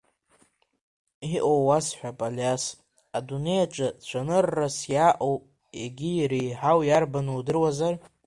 Иҟоу уасҳәап, Алиас, адунеи аҿы цәаныррас иааҟоу егьы иреиҳау иарбану удыруазар?